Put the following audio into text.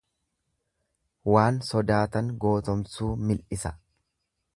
Waan sodaatan gootomsuu mil'isa.